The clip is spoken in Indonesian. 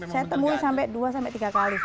saya temui sampai dua sampai tiga kali saya